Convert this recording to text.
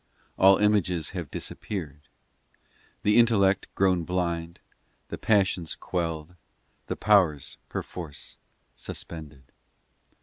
All images have disappeared The intellect grown blind The passions quelled, The powers perforce suspended.